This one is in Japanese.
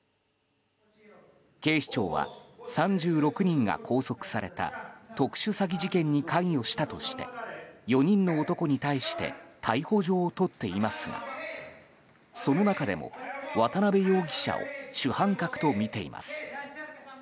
警視庁は３６人が拘束された特殊詐欺事件に関与したとして４人の男に対して逮捕状を取っていますがその中でも渡邉容疑者を主犯格とみています。